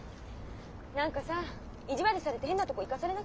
何かさ意地悪されて変なとこ行かされなきゃいいけどね。